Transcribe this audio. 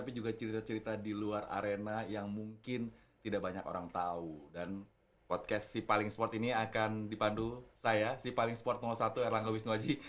bisa begitu bang penganeian yang berbuah manis